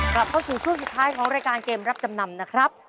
กลับเข้าสู่ช่วงสุดท้ายของรายการเกมรับจำนำนะครับ